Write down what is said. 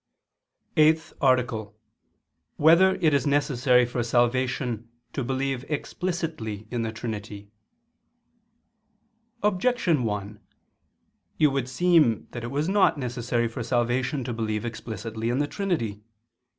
_______________________ EIGHTH ARTICLE [II II, Q. 2, Art. 8] Whether It Is Necessary for Salvation to Believe Explicitly in the Trinity? Objection 1: It would seem that it was not necessary for salvation to believe explicitly in the Trinity.